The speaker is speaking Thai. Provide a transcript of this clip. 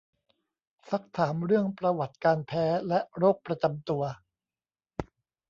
ซักถามเรื่องประวัติการแพ้และโรคประจำตัว